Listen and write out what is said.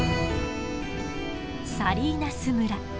サリーナス村。